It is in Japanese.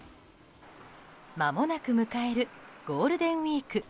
まもなく迎えるゴールデンウィーク。